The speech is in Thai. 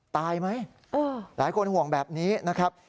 ตายไหมหลายคนห่วงแบบนี้นะครับ